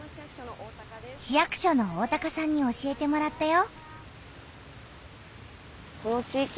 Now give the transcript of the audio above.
市役所の大さんに教えてもらったよ。